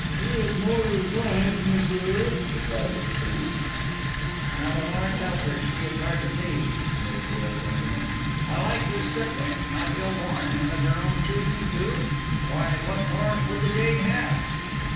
"She is more resigned, messire," replied the priest. "Now the Lord help her, she is hard to please!" sneered the old gentleman. "A likely stripling—not ill born—and of her own choosing, too? Why, what more would the jade have?"